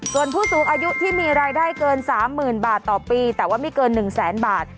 ส่วนผู้สูงอายุที่มีรายได้เกิน๓๐๐๐บาทต่อปีแต่ว่าไม่เกิน๑แสนบาท